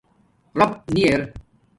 َرَاپ نی ار